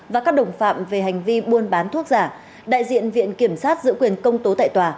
và các đồng phạm về hành vi buôn bán thuốc giả đại diện viện kiểm sát giữ quyền công tố tại tòa